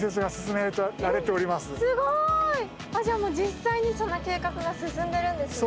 すごい！じゃあ実際にその計画が進んでるんですね。